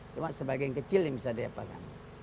cuma sebagian kecil yang bisa diapakan